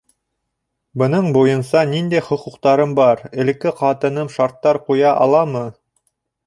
Бының буйынса ниндәй хоҡуҡтарым бар, элекке ҡатыным шарттар ҡуя аламы?